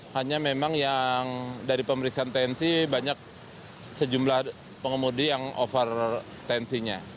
hanya memang yang dari pemeriksaan tensi banyak sejumlah pengemudi yang over tensinya